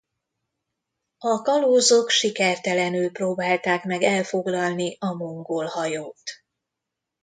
A kalózok sikertelenül próbálták meg elfoglalni a mongol hajót.